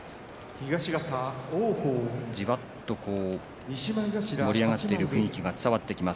じわっと盛り上がっている雰囲気が伝わってきます。